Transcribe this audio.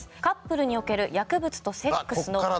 カップルにおける薬物とセックスの。